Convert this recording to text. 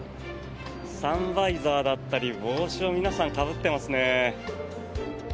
サンバイザーだったり帽子を皆さん、かぶっていますね。